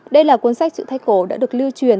đây là cuốn sách chữ thái cổ đã được lưu truyền